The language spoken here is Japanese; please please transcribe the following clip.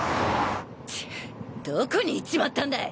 チッどこに行っちまったんだい！